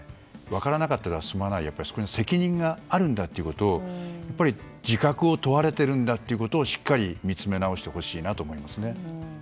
分からなかったでは済まない責任があるんだということを自覚を問われているんだということをしっかり見つめ直してほしいと思いますね。